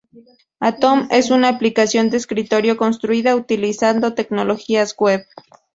Atom es una aplicación de escritorio construida utilizando tecnologías web.